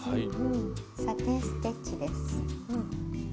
「サテン・ステッチ」です。